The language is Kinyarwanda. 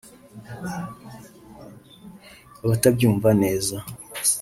Abatabyumva neza